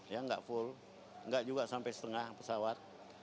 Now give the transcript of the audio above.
ya enggak full enggak juga sampai setengah pesawat